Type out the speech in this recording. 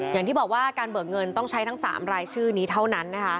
อย่างที่บอกว่าการเบิกเงินต้องใช้ทั้ง๓รายชื่อนี้เท่านั้นนะคะ